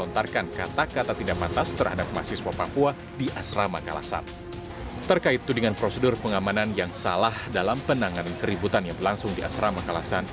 terima kasih pak